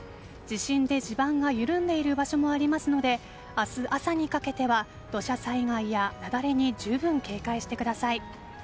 地震で地盤が緩んでいる場所もありますので明日朝にかけては土砂災害や雪崩に十分警戒してください。